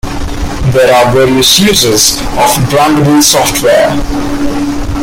There are various uses of brandable software.